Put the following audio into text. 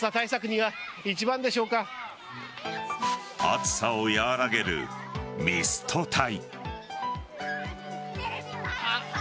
暑さを和らげるミスト隊。